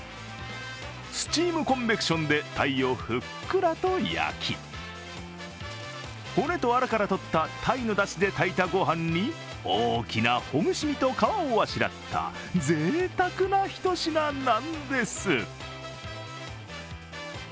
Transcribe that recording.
スチームコンベクションでタイをふっくらと焼き、骨とアラからとったタイのだしで炊いたご飯に大きなほぐし身と皮をあしらったぜいたくな一品なんです。